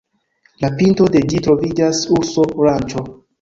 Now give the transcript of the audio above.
La pinto de ĝi troviĝas urso-ranĉo.